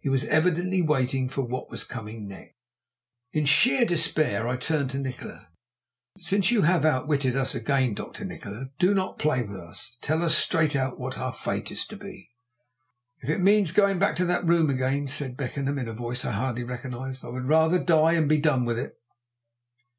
He was evidently waiting for what was coming next. In sheer despair I turned to Nikola. "Since you have outwitted us again, Dr. Nikola, do not play with us tell us straight out what our fate is to be." "If it means going back to that room again," said Beckenham, in a voice I hardly recognized, "I would far rather die and be done with it."